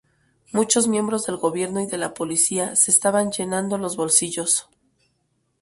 Muchos miembros del Gobierno y de la policía se estaban llenando los bolsillos.